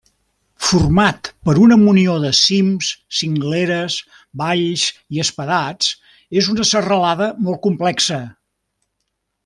Format per una munió de cims, cingleres, valls i espadats és una serralada molt complexa.